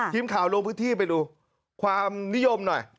ทีมข่าวลงพื้นที่ไปดูความนิยมหน่อย